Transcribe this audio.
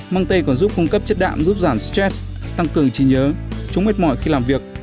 măng tây còn giúp phung cấp chất đạm giúp giảm stress tăng cường trí nhớ chống mệt mỏi khi làm việc